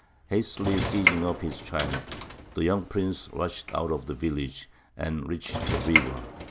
Hastily seizing up his child, the young prince rushed out of the village, and reached the river.